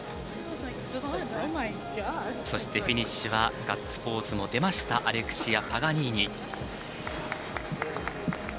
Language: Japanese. そしてフィニッシュはガッツポーズも出ましたアレクシア・パガニーニ。